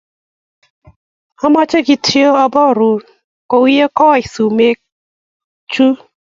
Amoche kityo aborun kuyekoi sumek chuk